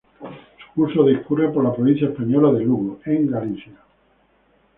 Su curso discurre por la provincia española de Lugo, en Galicia.